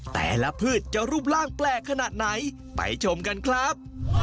แต่ละพืชจะรูปร่างแปลกขนาดไหนไปชมกันครับ